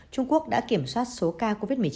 trung quốc đã kiểm soát số ca covid một mươi chín